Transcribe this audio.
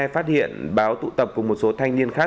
phát hiện báo tụ tập cùng một số thanh niên khác